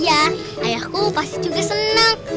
iya ayahku pasti juga seneng